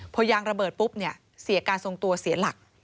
พอยางระเบิดปุ๊บเนี่ยเสียการทรงตัวเสียหลัก